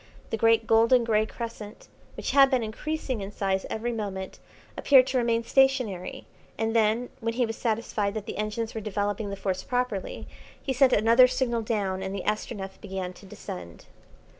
The great golden grey crescent, which had been increasing in size every moment, appeared to remain stationary, and then, when he was satisfied that the engines were developing the Force properly, he sent another signal down, and the Astronef began to descend.